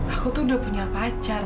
aku tuh udah punya pacar